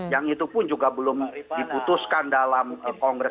yang itu pun juga belum diputuskan dalam kongres